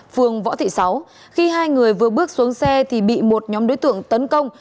phường võ thị sáu khi hai người vừa bước xuống xe thì bị một nhóm đối tượng tấn công